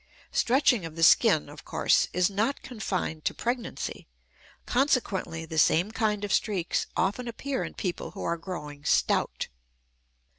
Stretching of the skin, of course, is not confined to pregnancy; consequently, the same kind of streaks often appear in people who are growing stout.